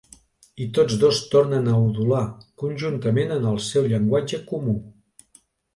I tots dos tornen a udolar conjuntament en el seu llenguatge comú.